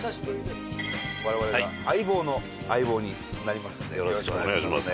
我々が『相棒』の相棒になりますのでよろしくお願いします。